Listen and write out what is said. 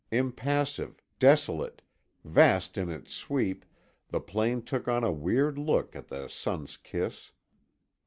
Impassive, desolate, vast in its sweep, the plain took on a weird look at the sun's kiss.